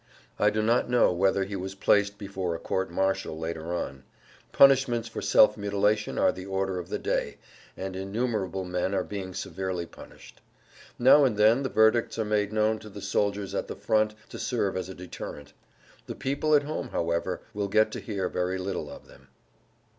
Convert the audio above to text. I do not know whether he was placed before a court martial later on. Punishments for self mutilation are the order of the day, and innumerable men are being severely punished. Now and then the verdicts are made known to the soldiers at the front to serve as a [Pg 101]deterrent. The people at home, however, will get to hear very little of them.